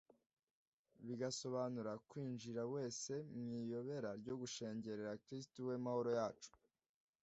bigasobanura « kwinjira wese mu iyobera ryo gushengerera kristu we mahoro yacu »